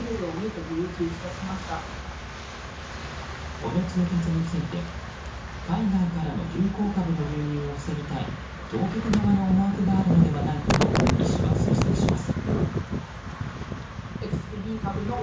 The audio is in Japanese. この通達について、海外からの流行株の流入を防ぎたい当局側の思惑があるのではないかと医師は推測します。